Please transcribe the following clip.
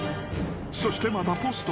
［そしてまたポスト。